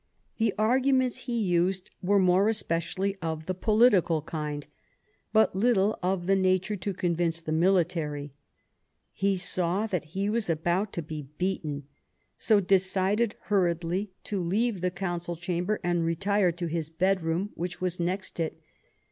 The arguments he used were more especially of the political kind, but little of the nature to convince the Military ; he saw that he was about to be beaten, so decided hurriedly to leave the Council 93 Sadowa Chamber and retire to his bedroom, which was next it.